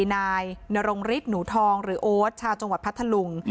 นายนรงฤทธิ์หนูทองหรือโอ๊ตชาวจังหวัดพัทธลุง